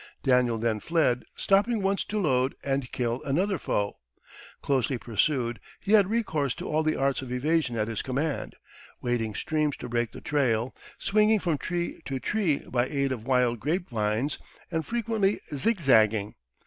Daniel then fled, stopping once to load and kill another foe. Closely pursued, he had recourse to all the arts of evasion at his command wading streams to break the trail, swinging from tree to tree by aid of wild grape vines, and frequently zigzagging.